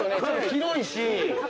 広いし。